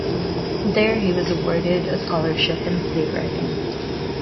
There he was awarded a scholarship in playwriting.